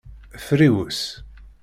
Friwes.